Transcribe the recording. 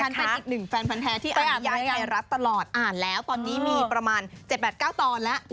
ตอนนี้ฉันเป็นอีกหนึ่งแฟนฟันแท้ที่อ่านนิยายไทยรัฐตลอดอ่านแล้วตอนนี้มีประมาณ๗๘๙ตอนแล้ว